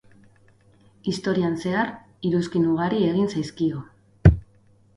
Historian zehar, iruzkin ugari egin zaizkio.